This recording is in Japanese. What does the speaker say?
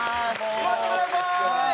座ってください！